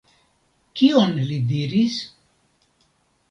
Kion li diris?